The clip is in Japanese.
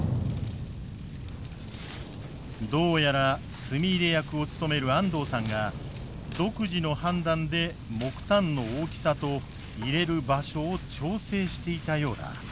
どうやら炭入れ役を務める安藤さんが独自の判断で木炭の大きさと入れる場所を調整していたようだ。